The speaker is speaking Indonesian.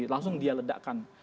langsung dia ledakan